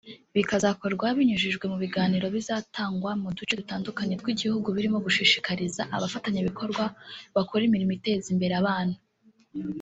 Bikazakorwa binyujijwe mu biganiro bizatangwa mu duce dutandukanye tw’igihugu birimo gushishikariza abafatanyabikorwa bakora imirimo iteza imbere abana